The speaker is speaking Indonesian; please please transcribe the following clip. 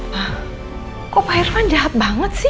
wah kok pak irfan jahat banget sih